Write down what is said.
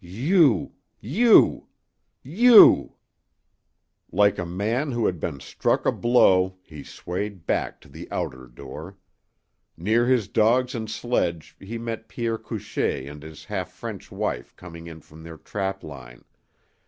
"You you you " Like a man who had been struck a blow he swayed back to the outer door. Near his dogs and sledge he met Pierre Couchée and his half French wife coming in from their trap line.